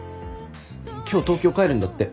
今日東京帰るんだって。